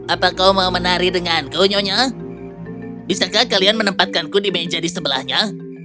apa kau mau menari denganku nyonya bisakah kalian menempatkanku di meja di sebelahnya